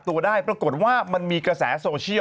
ถ้ามันมีกระแสโซเชียล